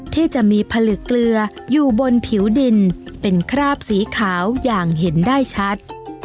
ที่จะมีผลึกเกลืออยู่บนผิวดินเป็นคราบสีขาวอย่างเห็นได้ชัด